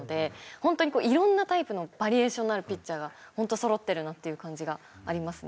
本当にいろんなタイプのバリエーションのあるピッチャーが本当そろってるなっていう感じがありますね。